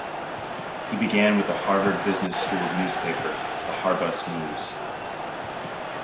He began with the Harvard Business School's newspaper "The Harbus News".